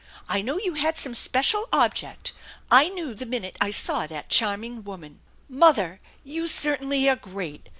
I know you had some special object. I knew the minute I saw that charming 166 THE ENCHANTED BARN " Mother, you certainly are great